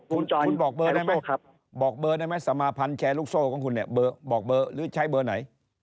คุณบอกเบอร์ได้ไหมบอกเบอร์ได้ไหมสมาพันธ์แชร์ลูกโซ่ของคุณเนี่ยบอกเบอร์หรือใช้เบอร์ไหน